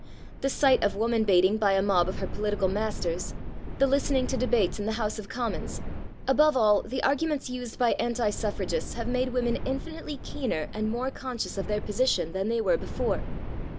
The sight of woman baiting by a mob of her political masters; the listening to debates in the House of Commons; above all, the arguments used by anti suffragists have made women infinitely keener and more conscious of their position than they were before.